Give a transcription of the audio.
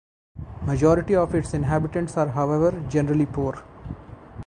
Majority of it's inhabitants are however generally poor.